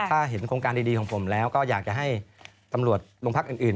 ถ้าเห็นโครงการดีของผมแล้วก็อยากจะให้ตำรวจโรงพักอื่น